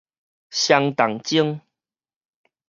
雙銅鐘